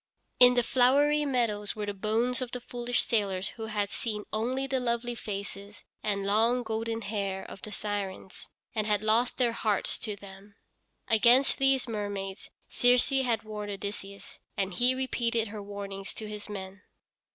In the flowery meadows were the bones of the foolish sailors who had seen only the lovely faces and long, golden hair of the Sirens, and had lost their hearts to them. Against these mermaids Circe had warned Odysseus, and he repeated her warnings to his men.